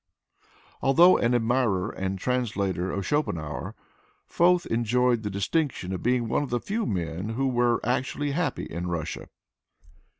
Although an admirer and translator of Schopenhauer, Foeth enjoyed the distinction of being one of the few men who were actually happy in Russia.